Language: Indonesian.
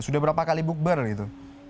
sudah berapa kali bukber gitu